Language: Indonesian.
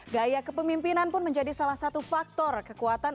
gaya kepemimpinan pun menjadi salah satu faktor kekuatan